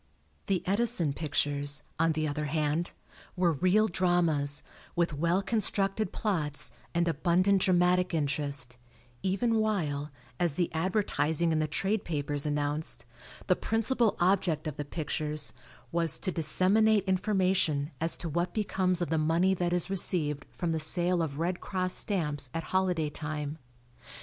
The Edison pictures, on the other hand, were real dramas, with well constructed plots and abundant dramatic interest, even while, as the advertising in the trade papers announced, the principal object of the pictures was "to disseminate information as to what becomes of the money that is received from the sale of Red Cross stamps at holiday time."